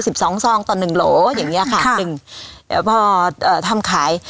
สิบสองซองต่อหนึ่งโหลอย่างเงี้ยค่ะค่ะพอเอ่อทำขาย